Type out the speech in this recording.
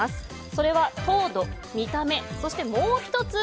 それは糖度、見た目、そしてもう１つ。